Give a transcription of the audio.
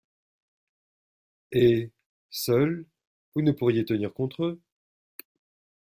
Et, seul, vous ne pourriez tenir contre eux!